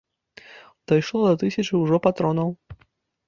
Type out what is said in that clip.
Дайшло да тысячы ўжо патронаў.